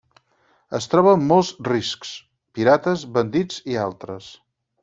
Es troben molts riscs: pirates, bandits, i altres.